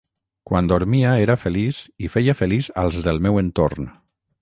Quan dormia, era feliç i feia feliç als del meu entorn.